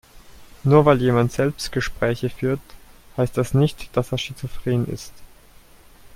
Nur weil jemand Selbstgespräche führt, heißt das nicht, dass er schizophren ist.